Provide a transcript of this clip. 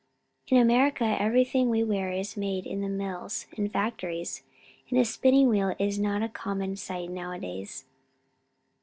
In America everything we wear is made in the mills and factories, and a spinning wheel is not a common sight nowadays."